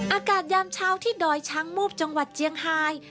อากาศยามเช้าที่ดอยช้างมูบจังหวัดเจียงไฮ